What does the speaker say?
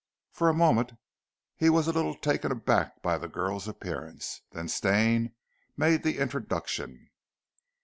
For a moment he was a little taken aback by the girl's appearance, then Stane made the introduction.